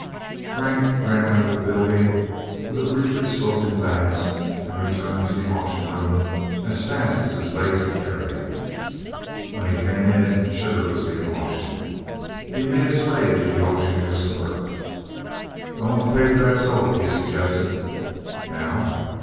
Frank ran out of the building with a briefly spoken thanks and returned to the auction room as fast as his legs would carry him. When he came in, sugar was being auctioned. He made his way to the auctioneer's clerk. "I want to pay for that soap," he suggested. "Now?"